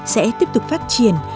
sẽ tiếp tục phát triển